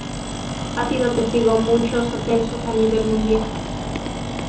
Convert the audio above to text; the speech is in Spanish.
Ha sido testigo muchos ascensos a nivel mundial.